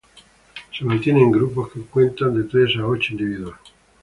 Se mantiene en grupos que cuentan de tres a ocho individuos.